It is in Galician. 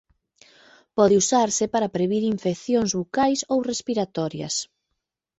Pode usarse para previr infeccións bucais ou respiratorias.